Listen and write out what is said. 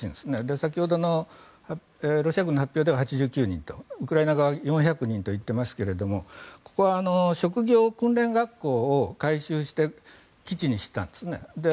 先ほどのロシア軍の発表では８９人とウクライナ側は４００人と言っていますがここは職業訓練学校を改修して基地にしたんですね。